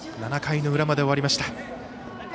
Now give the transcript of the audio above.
７回の裏まで終わりました。